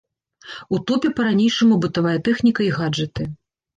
У топе па-ранейшаму бытавая тэхніка і гаджэты.